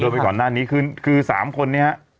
โดยไปก่อนหน้านี้คือ๓คนนี้ฮะ